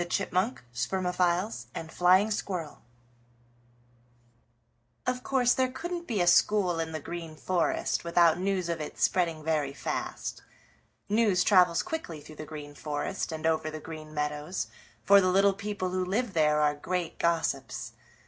CHAPTER VI Striped Chipmunk and his Cousins Of course there couldn't be a school in the Green Forest without news of it spreading very fast. News travels quickly through the Green Forest and over the Green Meadows, for the little people who live there are great gossips.